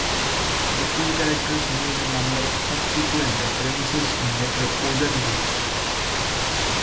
The two characters made a number of subsequent appearances in later Oz books.